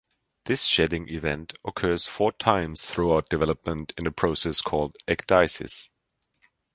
This shedding event occurs four times throughout development in a process called ecdysis.